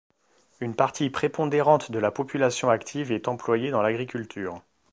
Une partie prépondérante de la population active est employée dans l'agriculture.